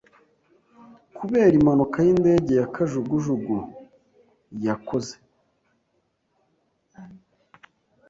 kubera impanuka y’indege ya kajugujugu yakoze